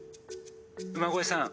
「馬越さん